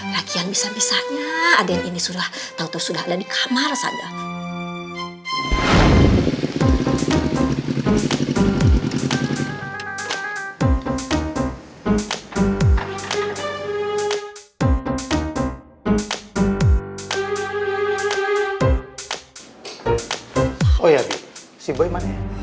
lagi yang bisa bisanya aden ini sudah tau tau sudah ada di kamar saja